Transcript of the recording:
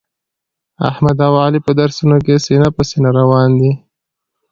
احمد او علي په درسونو کې سینه په سینه روان دي.